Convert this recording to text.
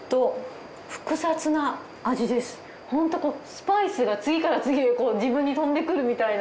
ホントこうスパイスが次から次へ自分に飛んでくるみたいな。